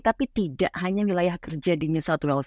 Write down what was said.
tapi tidak hanya wilayah kerja di new south